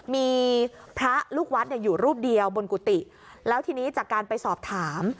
มีพระลูกวัดเนี่ยอยู่รูปเดียวบนกุฏิแล้วทีนี้จากการไปสอบถาม